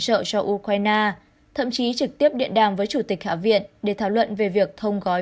trợ cho ukraine thậm chí trực tiếp điện đàm với chủ tịch hạ viện để thảo luận về việc thông gói